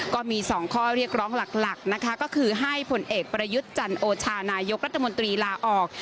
ก็มี๒ข้อเรียกร้องหลักนะคะก็คือให้ผลเอกประยุทธ์จันโอชานายกรัฐมนตรีลาออก